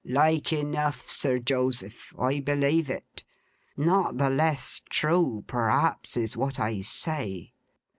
'Like enough, Sir Joseph. I believe it. Not the less true, perhaps, is what I say.